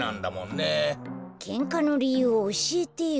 けんかのりゆうをおしえてよ。